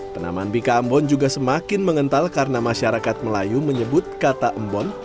penaman bika ambon juga semakin mengental karena masyarakat melayu menyebut kata embon